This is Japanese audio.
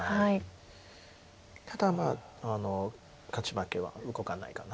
ただ勝ち負けは動かないかな。